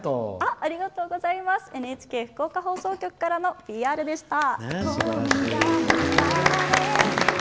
ＮＨＫ福岡放送局からのＰＲでした。